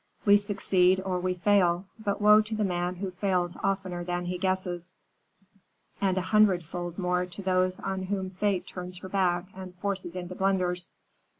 We succeed, or we fail; but woe to the man who fails oftener than he guesses; and a hundredfold more to those on whom Fate turns her back and forces into blunders."